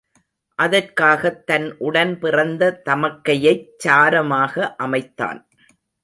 அதற்காகத் தன் உடன் பிறந்த தமக்கையைச் சாரமாக அமைத்தான்.